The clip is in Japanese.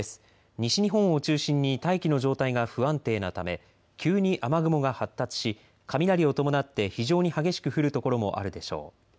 西日本を中心に大気の状態が不安定なため急に雨雲が発達し雷を伴って非常に激しく降る所もあるでしょう。